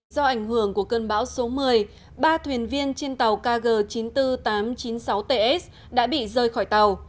do ảnh hưởng của cơn bão số một mươi ba thuyền viên trên tàu kg chín mươi bốn nghìn tám trăm chín mươi sáu ts đã bị rơi khỏi tàu